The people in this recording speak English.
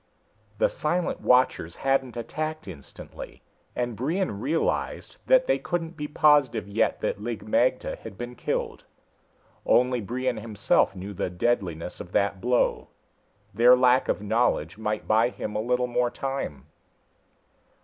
The silent watchers hadn't attacked instantly, and Brion realized that they couldn't be positive yet that Lig magte had been killed. Only Brion himself knew the deadliness of that blow. Their lack of knowledge might buy him a little more time.